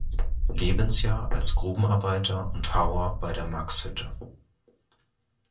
Lebensjahr als Grubenarbeiter und Hauer bei der Maxhütte.